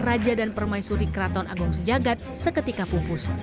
raja dan permaisuri kraton agung sejagat seketika pupus